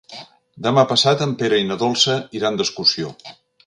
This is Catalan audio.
Demà passat en Pere i na Dolça iran d'excursió.